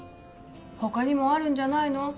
他にもあるんじゃないの？